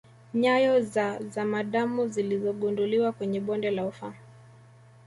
Nyayo za zamadamu zilizogunduliwa kwenye bonde la ufa